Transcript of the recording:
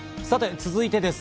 続いてです。